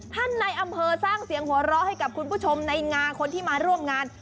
ในอำเภอสร้างเสียงหัวเราะให้กับคุณผู้ชมในงาคนที่มาร่วมงาน